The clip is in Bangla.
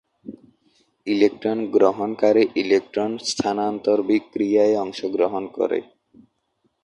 ইলেকট্রন গ্রহণকারী ইলেকট্রন-স্থানান্তর বিক্রিয়ায় অংশগ্রহণ করে।